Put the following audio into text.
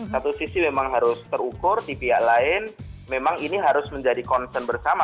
satu sisi memang harus terukur di pihak lain memang ini harus menjadi concern bersama